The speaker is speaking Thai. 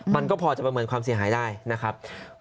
มันก็พอจะประเมินความเสียหายได้นะครับ